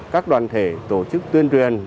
các đoàn thể tổ chức tuyên truyền